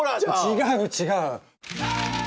違う違う！